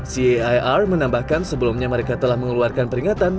cair menambahkan sebelumnya mereka telah mengeluarkan peringatan